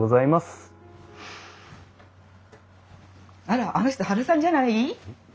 あらあの人ハルさんじゃない？